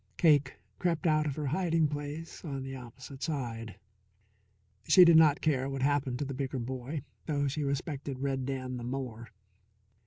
Cake crept out of her hiding place on the opposite side. She did not care what happened to the bigger boy, though she respected Red Dan the more.